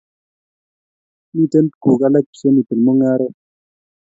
Miten kuk aka che miten mungeret